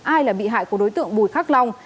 ai là bị hại của đối tượng bùi khắc long